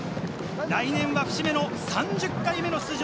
来年は節目の３０回目の出場。